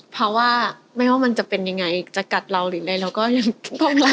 เพราะว่าไม่ว่ามันจะเป็นยังไงจะกัดเราหรืออะไรเราก็ยังต้องรัก